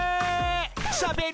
「しゃべる